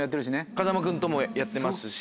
風間君ともやってますし。